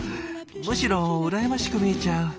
むしろ羨ましく見えちゃう。